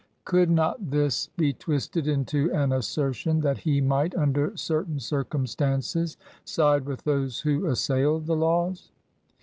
Could not this be twisted into an assertion that he might, under certain circumstances, side with those who assailed the laws?